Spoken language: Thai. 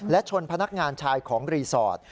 และชนพนักงานชายของรีสอร์ท